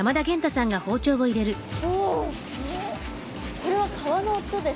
これは皮の音ですか？